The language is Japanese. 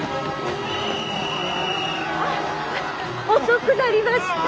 遅くなりました。